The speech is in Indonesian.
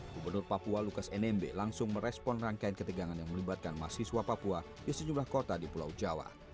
gubernur papua lukas nmb langsung merespon rangkaian ketegangan yang melibatkan mahasiswa papua di sejumlah kota di pulau jawa